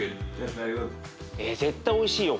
絶対おいしいよこれ。